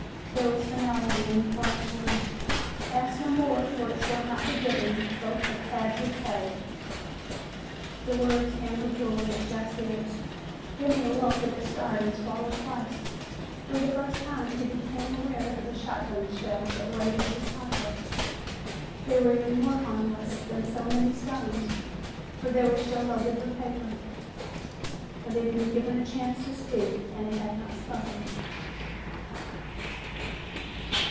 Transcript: There was finality in Barr's words. "Ask no more for it shall not be given. Both have had your say." The words hammered dully at Jeff's ears. Then he awoke with a start and swallowed twice. For the first time he became aware of the shotgun shells that weighted his pocket. They were even more harmless than so many stones, for they were still loaded with paper. But he'd been given a chance to speak and he had not spoken.